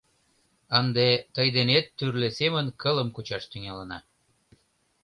— Ынде тый денет тӱрлӧ семын кылым кучаш тӱҥалына.